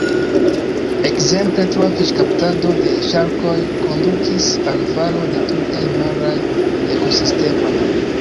Ekzemple, troa fiŝkaptado de ŝarkoj kondukis al falo de tutaj maraj ekosistemoj.